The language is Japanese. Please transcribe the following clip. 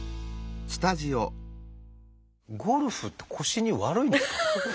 ゴルフって腰に悪いんですか？